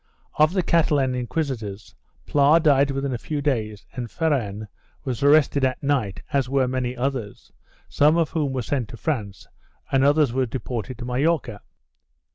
Of the Catalan inquisitors, Pla died within a few days and Ferran was arrested at night as were many others, some of whom were sent to France and others were deported to Majorca.